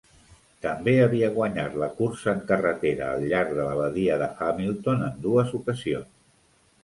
També havia guanyat la Cursa en Carretera al llarg de la Badia de Hamilton en dues ocasions.